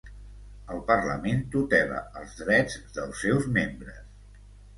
El parlament tutela els drets dels seus membres